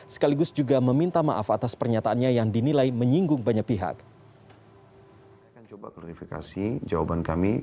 sekaligus juga meminta maaf atas pernyataannya yang dinilai menyinggung banyak pihak